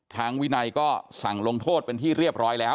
วินัยก็สั่งลงโทษเป็นที่เรียบร้อยแล้ว